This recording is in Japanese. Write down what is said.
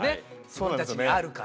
自分たちにあるから。